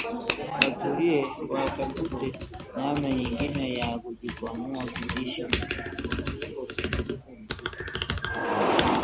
Watulie, watafute namna nyingine ya kujikwamua kimaisha